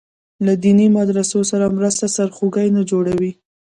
له دیني مدرسو سره مرسته سرخوږی نه جوړوي.